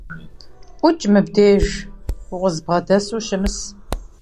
Ӏукӏ мыбдеж, укъызбгъэдэсу ущымыс.